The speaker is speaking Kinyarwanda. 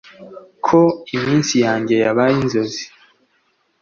ko iminsi yanjye yabaye inzozi